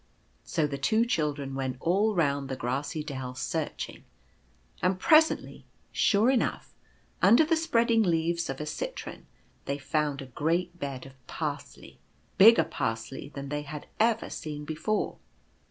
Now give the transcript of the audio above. So the two children went all round the grassy dell searching ; and presently, sure enough, under the spread Finding the Baby. i 7 3 ing leaves of a Citron they found a great bed of Parsley — bigger Parsley than they had ever seen before.